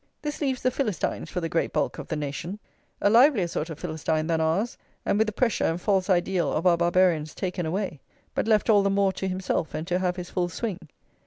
This leaves the Philistines for the great bulk of the nation; a livelier sort of Philistine than ours, and with the pressure and false ideal of our Barbarians taken away, but left all the more to himself and to have his full swing!